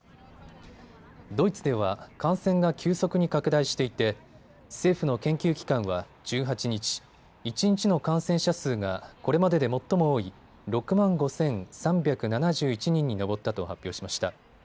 ドイツでは感染が急速に拡大していて政府の研究機関は１８日、一日の感染者数がこれまでで最も多い６万５３７１人に上ったと発表しました。